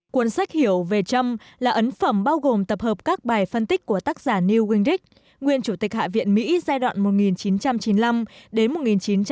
cuốn sách hiểu về trump là ấn phẩm bao gồm tập hợp các bài phân tích của tác giả neil wendig nguyên chủ tịch hạ viện mỹ giai đoạn một nghìn chín trăm chín mươi năm một nghìn chín trăm chín mươi chín